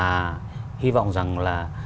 chúng ta cũng vọng rằng là